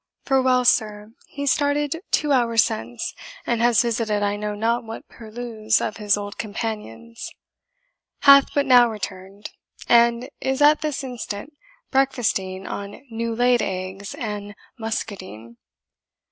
"For well, sir, he started two hours since, and has visited I know not what purlieus of his old companions; hath but now returned, and is at this instant breakfasting on new laid eggs and muscadine.